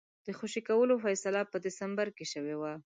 د خوشي کولو فیصله په ډسمبر کې شوې وه.